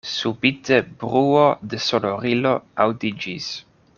Subite bruo de sonorilo aŭdiĝis.